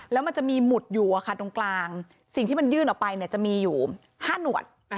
แล้วมันจะมีหมุดอยู่ตรงกลางสิ่งที่มันยื่นออกไปจะมีอยู่๕หนวด